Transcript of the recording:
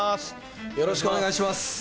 よろしくお願いします。